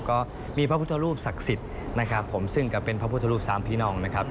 ก็มีพระพุทธรูปศักดิ์สิทธิ์นะครับผมซึ่งก็เป็นพระพุทธรูปสามพี่น้องนะครับ